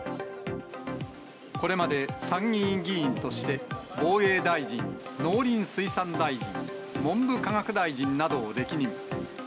これまで参議院議員として、防衛大臣、農林水産大臣、文部科学大臣などを歴任。